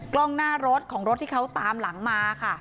กล้องหน้ารถของรถที่เขาตามหลังมาค่ะ